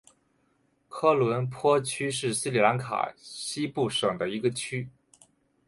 科伦坡区是斯里兰卡西部省的一个区。